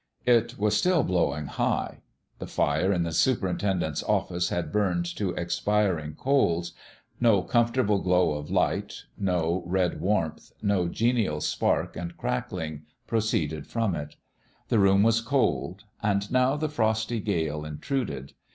It was still blowing high. The fire in the su perintendent's office had burned to expiring coals. No comfortable glow of light no red warmth no genial sparkle and crackling proceeded from it. The room was cold. And now the frosty gale intruded.